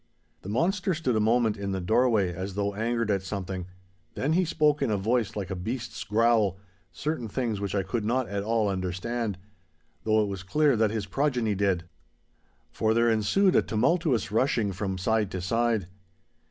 The monster stood a moment in the doorway as though angered at something, then he spoke in a voice like a beast's growl, certain things which I could not at all understand—though it was clear that his progeny did, for there ensued a tumultuous rushing from side to side.